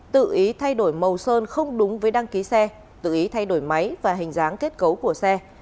tự ý thay đổi màu sơn không đúng với đăng ký xe tự ý thay đổi máy và hình dáng kết cấu của xe